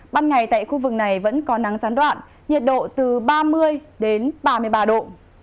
ban ngày tại khu vực này vẫn có nắng gián đoạn nhiệt độ từ ba mươi đến ba mươi ba độ